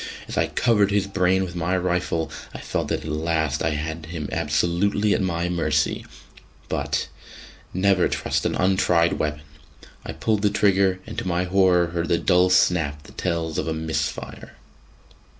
As I covered his brain with my rifle, I felt that at last I had him absolutely at my mercy, but .... never trust an untried weapon! I pulled the trigger, and to my horror heard the dull snap that tells of a misfire.